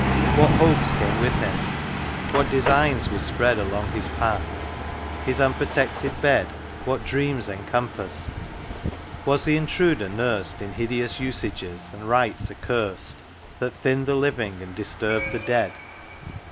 What hopes came with him ? what designs were spread Along his path ? His unprotected bed What dreams encompassed ? Was the Intruder nurs'd ^ In hideous usages, and rites accurs'd, That thinned the living and disturbed the dead